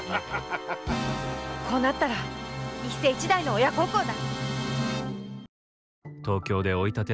こうなったら一世一代の親孝行だ